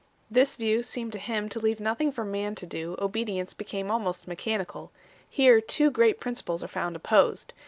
This view seemed to him to leave nothing for man to do ; obedience became almost mechanical. Here two great principles are found opposed.